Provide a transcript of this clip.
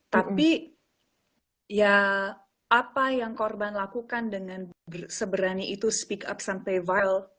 tapi ya apa yang korban lakukan dengan seberani itu speak up sampai file